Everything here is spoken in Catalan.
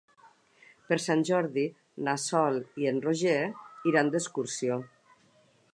Per Sant Jordi na Sol i en Roger iran d'excursió.